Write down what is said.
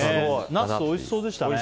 ナスおいしそうでしたね。